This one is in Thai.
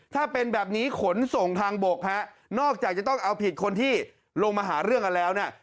ถ้าเป็นแบบนี้ขนส่งทางบกฮะนอกจากจะต้องเอาผิดคนที่ลงมาหาเรื่องกันแล้วเนี่ย